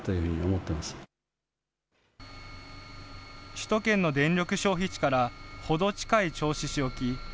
首都圏の電力消費地から程近い銚子市沖。